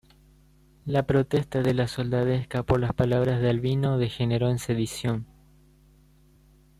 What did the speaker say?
La protesta de la soldadesca por las palabras de Albino degeneró en sedición.